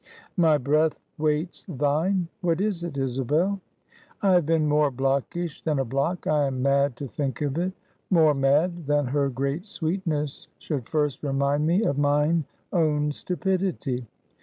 "My breath waits thine; what is it, Isabel?" "I have been more blockish than a block; I am mad to think of it! More mad, that her great sweetness should first remind me of mine own stupidity.